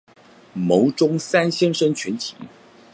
牟宗三先生全集